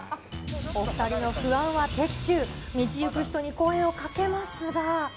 お２人の不安は的中、道行く人に声をかけますが。